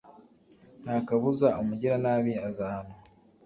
nta kabuza umugiranabi azahanwa